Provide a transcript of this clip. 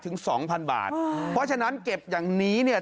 เพราะฉะนั้นเก็บอย่างนี้เนี่ย